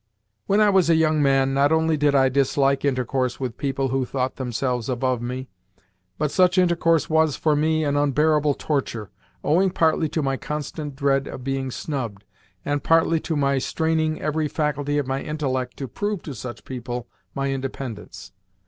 When I was a young man, not only did I dislike intercourse with people who thought themselves above me, but such intercourse was, for me, an unbearable torture, owing partly to my constant dread of being snubbed, and partly to my straining every faculty of my intellect to prove to such people my independence.